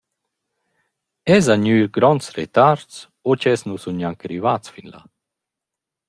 Els han gnü gronds retards o ch’els nu sun gnanca rivats fin là.